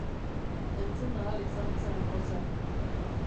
Entzun ahal izan zen ozen.